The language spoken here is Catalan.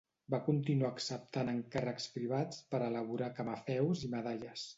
Va continuar acceptant encàrrecs privats per elaborar camafeus i medalles.